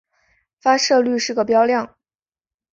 发射率是个标量。